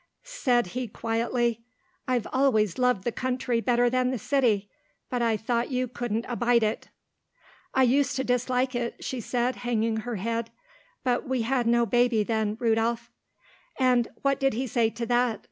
"Said he quite quietly, 'I've always loved the country better than the city, but I thought you couldn't abide it.' "'I used to dislike it,' she said hanging her head, 'but we had no baby then, Rudolph.'" "And what did he say to that?"